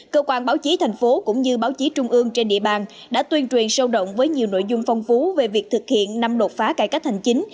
cơ quan báo chí thành phố cũng như báo chí trung ương trên địa bàn đã tuyên truyền sâu động với nhiều nội dung phong phú về việc thực hiện năm lột phá cải cách hành chính